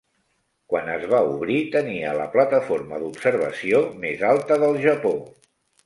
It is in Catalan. Quan es va obrir, tenia la plataforma d'observació més alta del Japó.